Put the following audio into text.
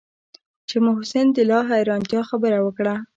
چې محسن د لا حيرانتيا خبره وکړه.